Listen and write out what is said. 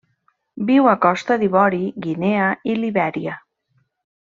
Viu a Costa d'Ivori, Guinea i Libèria.